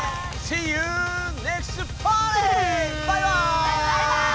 バイバーイ！